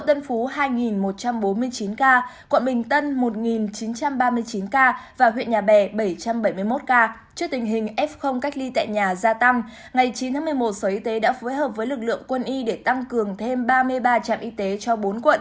trước tình hình f cách ly tại nhà gia tăng ngày chín tháng một mươi một sở y tế đã phối hợp với lực lượng quân y để tăng cường thêm ba mươi ba trạm y tế cho bốn quận